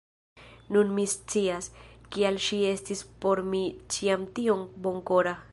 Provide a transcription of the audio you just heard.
Nun mi scias, kial ŝi estis por mi ĉiam tiom bonkora.